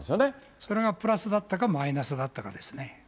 それがプラスだったか、マイナスだったかですね。